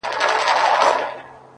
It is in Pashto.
چي د ښـكلا خبري پټي ساتي!